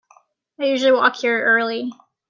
I usually walk here early.